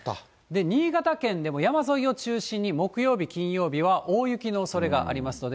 新潟県でも山沿いを中心に木曜日、金曜日は大雪のおそれがあります